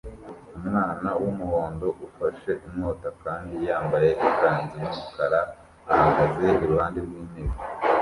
Umwana wumuhondo ufashe inkota kandi yambaye ikanzu yumukara ahagaze iruhande rwintebe